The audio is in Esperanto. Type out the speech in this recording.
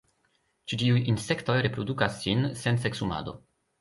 Ĉi tiuj insektoj reprodukas sin sen seksumado.